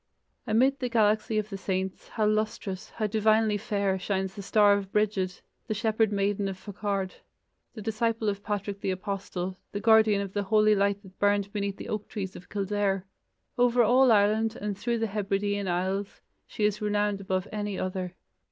Amid the galaxy of the saints, how lustrous, how divinely fair, shines the star of Brigid, the shepherd maiden of Faughard, the disciple of Patrick the Apostle, the guardian of the holy light that burned beneath the oak trees of Kildare! Over all Ireland and through the Hebridean Isles, she is renowned above any other.